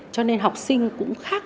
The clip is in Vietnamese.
cho nên học sinh cũng khác